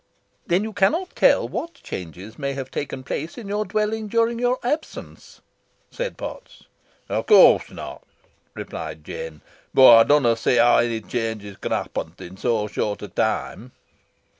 "Then you cannot tell what changes may have taken place in your dwelling during your absence?" said Potts. "Of course not," replied Jem, "boh ey dunna see how ony chawnges con ha' happent i' so short a time."